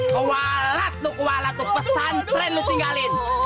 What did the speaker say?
kualat lu kualat pesantren lu tinggalin